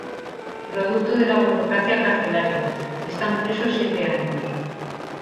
Producto de la burocracia carcelaria, están presos siete años.